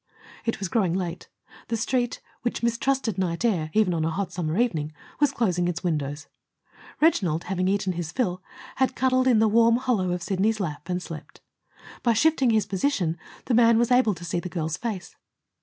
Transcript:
It was growing late. The Street, which mistrusted night air, even on a hot summer evening, was closing its windows. Reginald, having eaten his fill, had cuddled in the warm hollow of Sidney's lap, and slept. By shifting his position, the man was able to see the girl's face.